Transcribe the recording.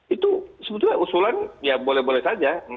itu sebetulnya usulan ya boleh boleh saja